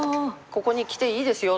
「ここにきていいですよ」